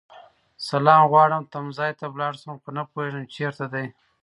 سلام غواړم تمځای ته لاړشم خو نه پوهيږم چیرته دی